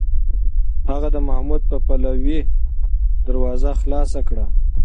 هغه د محمود په پلوۍ دروازه خلاصه کړه.